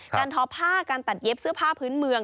ทอผ้าการตัดเย็บเสื้อผ้าพื้นเมือง